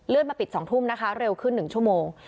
มาปิด๒ทุ่มนะคะเร็วขึ้น๑ชั่วโมง